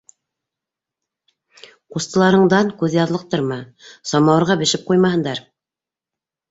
Ҡустыларыңдан күҙ яҙлыҡтырма - самауырға бешеп ҡуймаһындар!